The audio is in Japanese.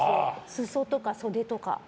裾とか袖とか。